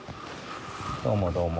どうもどうも。